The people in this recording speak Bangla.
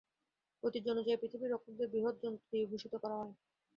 ঐতিহ্য অনুযায়ী পৃথিবীর রক্ষকদের বৃহৎ জন্তু দিয়ে ভূষিত করা হয়।